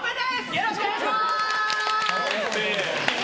よろしくお願いします。